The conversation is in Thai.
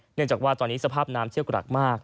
เนื่องจากว่าตอนนี้สภาพน้ำเชี่ยวกรากมาก